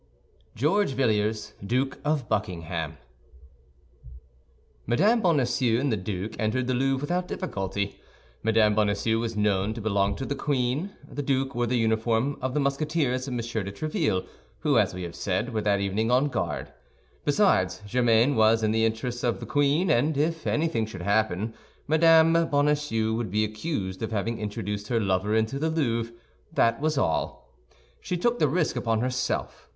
GEORGE VILLIERS, DUKE OF BUCKINGHAM Mme. Bonacieux and the duke entered the Louvre without difficulty. Mme. Bonacieux was known to belong to the queen; the duke wore the uniform of the Musketeers of M. de Tréville, who, as we have said, were that evening on guard. Besides, Germain was in the interests of the queen; and if anything should happen, Mme. Bonacieux would be accused of having introduced her lover into the Louvre, that was all. She took the risk upon herself.